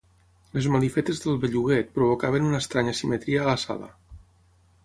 Les malifetes del belluguet provocaven una estranya simetria a la sala.